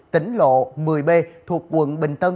tỉnh lộ một mươi b thuộc quận bình tân